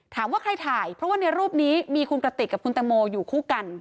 ถามว่าใครถ่ายเพราะว่าในรูปนี้มีคุณกระติกกับคุณตังโมอยู่คู่กัน